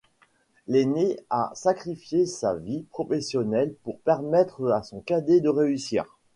L'ainé a sacrifié sa vie professionnelle pour permettre à son cadet de réussir.